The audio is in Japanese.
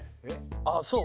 あっそう？